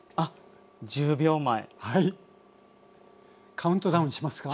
カウントダウンしますか？